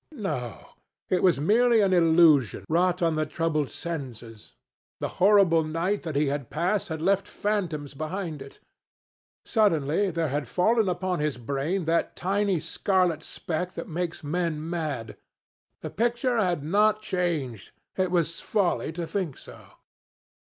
No; it was merely an illusion wrought on the troubled senses. The horrible night that he had passed had left phantoms behind it. Suddenly there had fallen upon his brain that tiny scarlet speck that makes men mad. The picture had not changed. It was folly to think so.